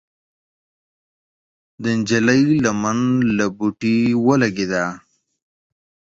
د نجلۍ لمن له بوټي ولګېده.